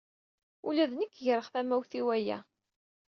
Ula d nekk greɣ tamawt i waya.